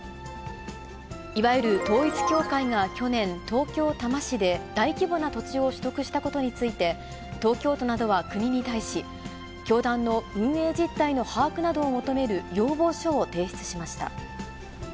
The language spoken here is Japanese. いわゆる統一教会が去年、東京・多摩市で大規模な土地を取得したことについて、東京都などは国に対し、教団の運営実態の把握などを求める要望書を提出しました。